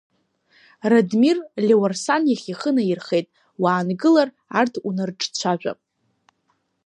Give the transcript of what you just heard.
Радмир Леуарсан иахь ихы наирхеит, уаангылар, арҭ унарыҿцәажәап.